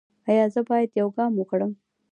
ایا زه باید یوګا وکړم؟